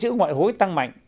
giữ chữ ngoại hối tăng mạnh